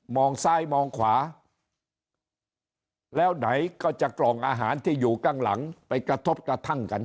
ซ้ายมองขวาแล้วไหนก็จะกล่องอาหารที่อยู่ข้างหลังไปกระทบกระทั่งกัน